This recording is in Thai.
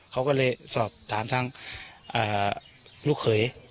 เขาก็เลยสอบถามทางลูกเขย